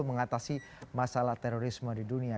mengatasi masalah terorisme di dunia